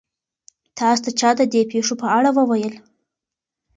تاسو ته چا د دې پېښو په اړه وویل؟